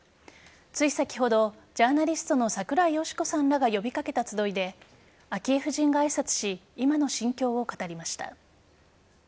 つい先ほどジャーナリストの櫻井よしこさんらが呼び掛けた集いで昭恵夫人が挨拶し今の心境を語りました。